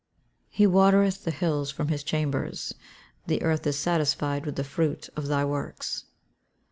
[Verse: "He watereth the hills from his chambers; the earth is satisfied with the fruit of thy works."